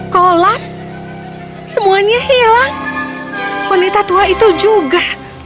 kolam semuanya hilang wanita tua itu juga